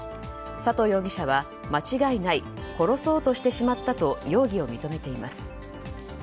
佐藤容疑者は、間違いない殺そうとしてしまったと容疑を認めています。